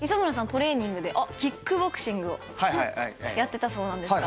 トレーニングでキックボクシングをやってたそうなんですが。